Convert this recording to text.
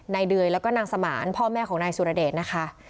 เดยแล้วก็นางสมานพ่อแม่ของนายสุรเดชนะคะ